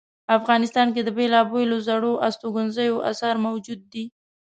افغانستان کې د بیلابیلو زړو استوګنځایونو آثار موجود دي